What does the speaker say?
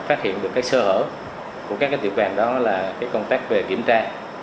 đã phát hiện được các sơ hở của các tiệm vàng đó là công tác về kiểm tra